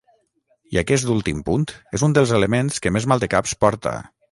I aquest últim punt és un dels elements que més maldecaps porta.